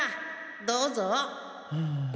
どうぞ。